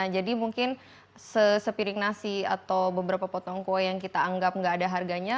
jadi mungkin sepiring nasi atau beberapa potong kue yang kita anggap tidak ada harganya